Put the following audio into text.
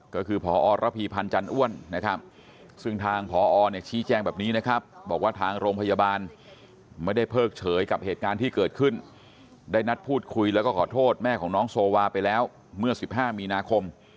ก็คือพอระพีพันธ์จันอ้วนนะครับซึ่งทางพอเนี่ยชี้แจ้งแบบนี้นะครับบอกว่าทางโรงพยาบาลไม่ได้เพิกเฉยกับเหตุการณ์ที่เกิดขึ้นได้นัดพูดคุยแล้วก็ขอโทษแม่ของน้องโซวาไปแล้วเมื่อ๑๕มีนาคม